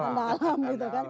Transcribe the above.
tanda alam gitu kan